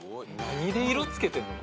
何で色つけてんの？